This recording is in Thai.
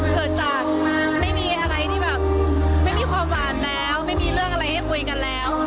เกิดจากไม่มีอะไรที่แบบไม่มีความหวานแล้วไม่มีเรื่องอะไรให้คุยกันแล้ว